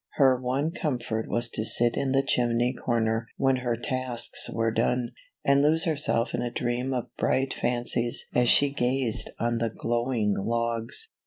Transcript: H er one comfort was to sit in the chimney corner when her tasks were done, and lose herself in a dream of bright fancies as she gazed on the glowing logs.